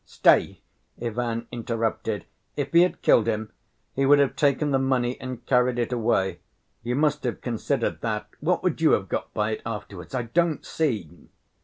"Stay," Ivan interrupted; "if he had killed him, he would have taken the money and carried it away; you must have considered that. What would you have got by it afterwards? I don't see."